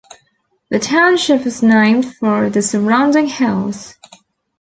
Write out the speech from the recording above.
The township was named for the surrounding hills.